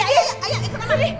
ayah ayah ikut mama nih